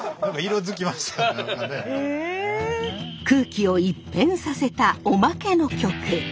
空気を一変させた「おまけ」の曲。